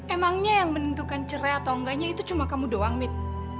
emangnya yang menentukan cerai atau enggaknya itu cuma kamu doang mit